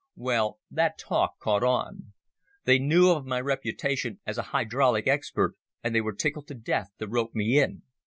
Well, that talk caught on. They knew of my reputation as an hydraulic expert, and they were tickled to death to rope me in.